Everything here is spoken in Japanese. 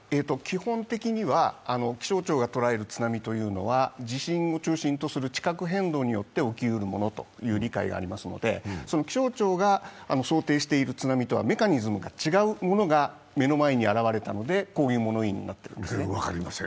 基本的には気象庁が捉える津波というのは地震を中心とする地殻変動によって起きうるものという理解がありますので気象庁が想定している津波とはメカニズムが違うものが目の前に現れたので、こういう物言いになっているんですね。